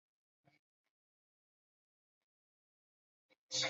天山假狼毒是瑞香科假狼毒属的植物。